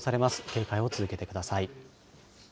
警戒を続けてください。